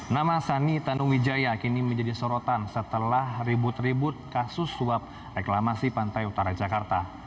nama sani tanuwijaya kini menjadi sorotan setelah ribut ribut kasus suap reklamasi pantai utara jakarta